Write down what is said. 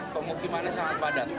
pemukimannya sangat padat